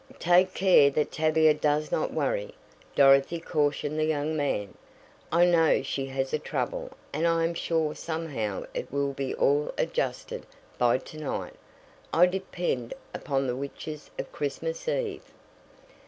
"Take care that Tavia does not worry," Dorothy cautioned the young man. "I know she has a trouble, and I am sure somehow it will be all adjusted by to night. I depend upon the witches of Christmas Eve."